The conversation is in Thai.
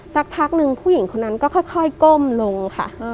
สักพักหนึ่งผู้หญิงคนนั้นก็ค่อยก้มลงค่ะ